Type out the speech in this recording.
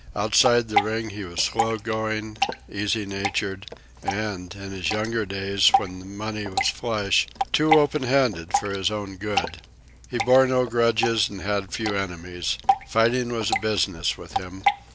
Outside the ring he was slow going, easy natured, and, in his younger days, when money was flush, too open handed for his own good. He bore no grudges and had few enemies. Fighting was a business with him.